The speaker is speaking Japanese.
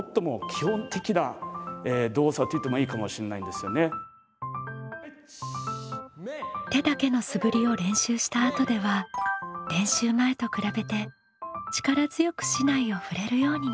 だから手だけの素振りを練習したあとでは練習前と比べて力強く竹刀を振れるようになったね。